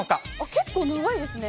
結構長いですね。